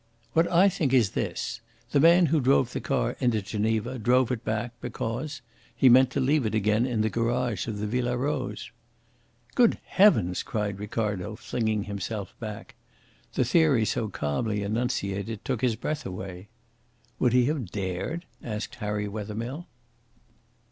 "What I think is this. The man who drove the car into Geneva drove it back, because he meant to leave it again in the garage of the Villa Rose." "Good heavens!" cried Ricardo, flinging himself back. The theory so calmly enunciated took his breath away. "Would he have dared?" asked Harry Wethermill.